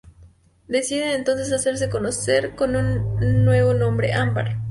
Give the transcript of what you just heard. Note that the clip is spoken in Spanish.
Deciden entonces hacerse conocer con un nuevo nombre: Ámbar.